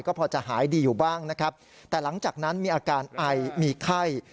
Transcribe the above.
ก็พอจะหายดีอยู่บ้างนะครับแต่หลังจากนั้นมีอาการไอมีไข้